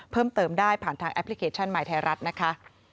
เพิ่มเติมได้ผ่านทางแอปพลิเคชันใหม่ไทยรัฐนะคะ